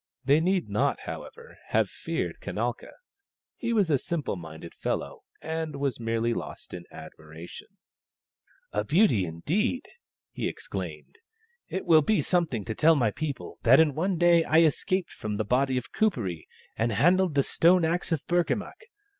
They need not, however, have feared Kanalka. He was a simple minded fellow, and was merely lost in admiration. THE STONE AXE OF BURKAMUKK 39 " A beauty, indeed !" he exclaimed. " It will be something to tell my people, that in the one day I escaped from the body of Kuperee and handled the stone axe of Burkamukk